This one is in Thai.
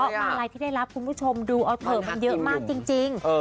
เพราะมาลัยที่ได้รับคุณผู้ชมดูเอาเถอะมันเยอะมากจริง